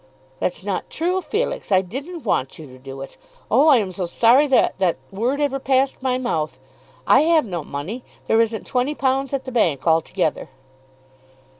"That's not true, Felix. I didn't want you to do it. Oh, I am so sorry that that word ever passed my mouth! I have no money. There isn't £20 at the bank altogether."